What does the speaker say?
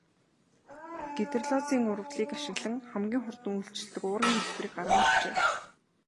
Гидролизын урвалыг ашиглан хамгийн хурдан үйлчилдэг уургийн хэлбэрийг гарган авчээ.